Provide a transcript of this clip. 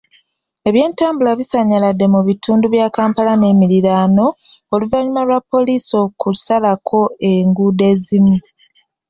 Ebyentambula bisannyaladde mu bitundu bya Kampala n'emiriraano oluvannyuma lwa poliisi okusalako enguudo ezimu